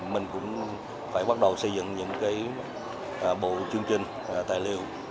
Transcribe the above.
mình cũng phải bắt đầu xây dựng những cái bộ chương trình tài liệu